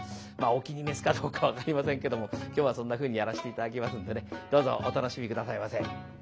お気に召すかどうか分かりませんけども今日はそんなふうにやらして頂きますんでねどうぞお楽しみ下さいませ。